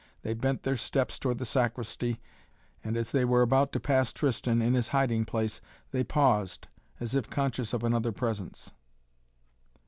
They bent their steps towards the sacristy and, as they were about to pass Tristan in his hiding place, they paused as if conscious of another presence.